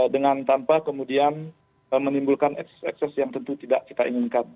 dengan tanpa kemudian menimbulkan ekses ekses yang tentu tidak kita inginkan